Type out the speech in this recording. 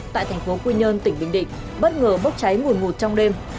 tại tp quy nhơn tỉnh bình định bất ngờ bốc cháy nguồn ngụt trong đêm